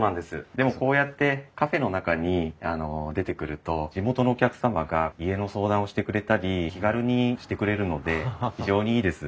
でもこうやってカフェの中に出てくると地元のお客様が家の相談をしてくれたり気軽にしてくれるので非常にいいです。